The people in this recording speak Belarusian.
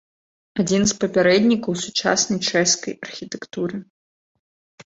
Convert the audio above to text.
Адзін з папярэднікаў сучаснай чэшскай архітэктуры.